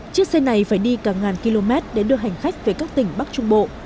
chiếc xe này phải đi càng ngàn km để đưa hành khách về các tỉnh bắc trung bộ